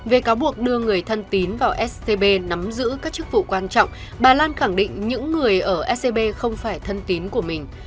về cáo buộc đưa người thân tín vào scb nắm giữ các chức vụ quan trọng bà lan khẳng định những người ở scb không phải thân tín của mình